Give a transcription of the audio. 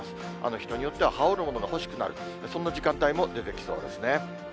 人によっては羽織るものが欲しくなる、そんな時間帯も出てきそうですね。